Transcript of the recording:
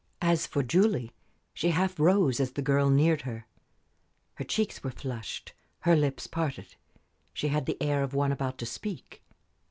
As for Julie, she half rose as the girl neared her. Her cheeks were flushed, her lips parted; she had the air of one about to speak.